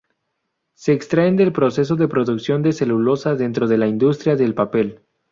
Se extraen del proceso de producción de celulosa dentro de la industria del papel.